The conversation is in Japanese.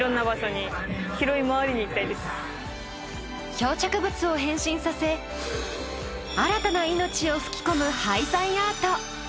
漂着物を変身させ新たな命を吹き込む廃材アート。